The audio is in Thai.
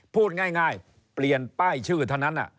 พูดง่ายเปลี่ยนป้ายชื่อเท่านั้น